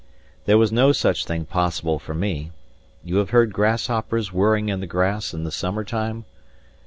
There was no such thing possible for me. You have heard grasshoppers whirring in the grass in the summer time?